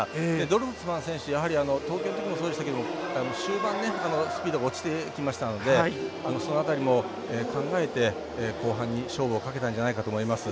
ドルスマン選手、やはり東京のときもそうでしたけど終盤スピードが落ちてきましたのでその辺りも考えて後半に勝負をかけたんじゃないかと思います。